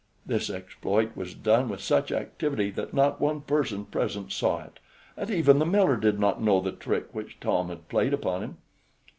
This exploit was done with such activity that not one person present saw it, and even the miller did not know the trick which Tom had played upon him.